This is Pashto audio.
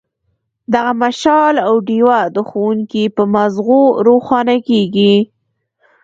دغه مشال او ډیوه د ښوونکي په مازغو روښانه کیږي.